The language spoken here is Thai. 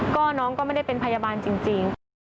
ก็น้องก็ไม่ได้เป็นพยาบาลจริง